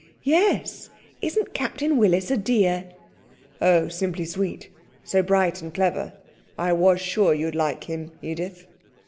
'Yes; isn't Captain Willis a dear?' 'Oh, simply sweet. So bright and clever. I was sure you'd like him, Edith.'